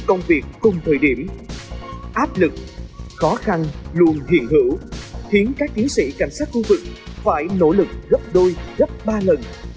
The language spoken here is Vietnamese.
công việc cùng thời điểm áp lực khó khăn luôn hiện hữu khiến các chiến sĩ cảnh sát khu vực phải nỗ lực gấp đôi gấp ba lần